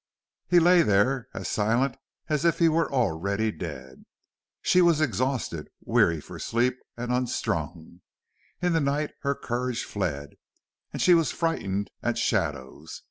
He lay there as silent as if he were already dead. She was exhausted, weary for sleep, and unstrung. In the night her courage fled and she was frightened at shadows.